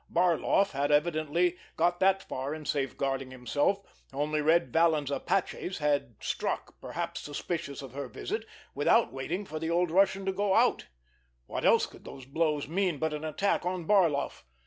Barloff had evidently got that far in safeguarding himself, only Red Vallon's Apachés had struck, perhaps suspicious of her visit, without waiting for the old Russian to go out! What else could those blows mean but an attack on Barloff?